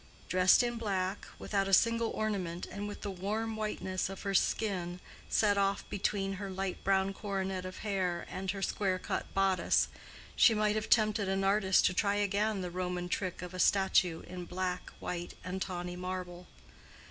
Dressed in black, without a single ornament, and with the warm whiteness of her skin set off between her light brown coronet of hair and her square cut bodice, she might have tempted an artist to try again the Roman trick of a statue in black, white, and tawny marble.